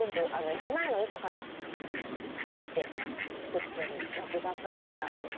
一枚の板から切って作ってる木馬プランターです。